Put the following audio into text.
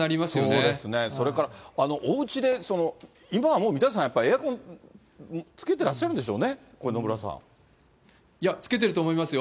そうですね、それからおうちで、今はもう皆さん、エアコンつけてらっしゃるんいや、つけてると思いますよ。